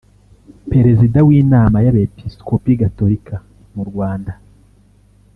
Perezida w’Inama y’Abepiskopi Gatolika mu Rwanda